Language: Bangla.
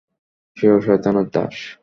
সেও শয়তানের দাস!